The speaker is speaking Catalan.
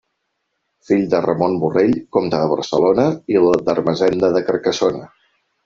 Fill de Ramon Borrell, comte de Barcelona, i d'Ermessenda de Carcassona.